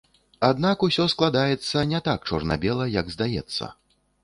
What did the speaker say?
Аднак усё складаецца не так чорна-бела, як здаецца.